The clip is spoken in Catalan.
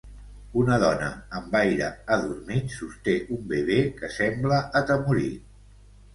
Una dona amb aire adormit sosté un bebè que sembla atemorit.